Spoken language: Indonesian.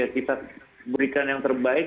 kita berikan yang terbaik